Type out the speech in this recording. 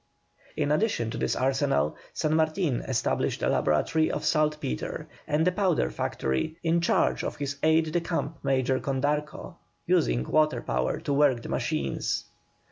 In addition to this arsenal, San Martin established a laboratory of saltpetre and a powder factory, in charge of his aide de camp Major Condarco, using water power to work the machines.